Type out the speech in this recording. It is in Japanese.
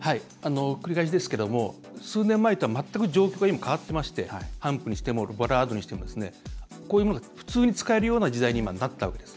繰り返しですけれども数年前とは全く状況が今、変わっていましてハンプにしてもボラードにしてもこういうものが普通に使えるような時代に今、なったわけです。